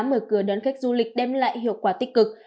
mở cửa đón khách du lịch đem lại hiệu quả tích cực